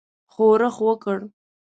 ښورښ وکړ.